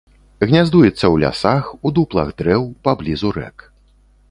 Гняздуецца ў лясах, у дуплах дрэў, паблізу рэк.